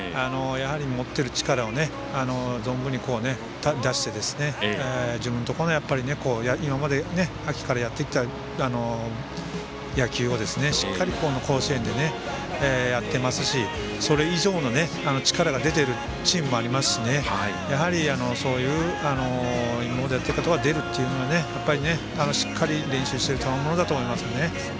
持ってる力を存分に出して自分のところの今まで秋からやってきた野球をしっかりと甲子園でやってますしそれ以上の力が出ているチームもありますしやはり、そういう今までやったことが出るというのはやっぱり、しっかり練習しているたまものだと思いますね。